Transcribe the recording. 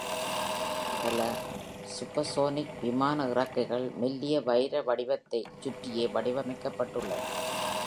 பல supersonic விமான இறக்கைகள் மெல்லிய வைர வடிவத்தைச் சுற்றியே வடிவமைக்கப்பட்டுள்ளன.